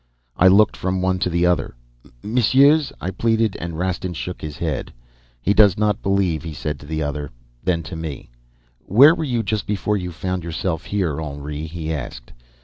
"I looked from one to the other. 'Messieurs,' I pleaded, and Rastin shook his head. "'He does not believe,' he said to the other. Then to me, 'Where were you just before you found yourself here, Henri?' he asked.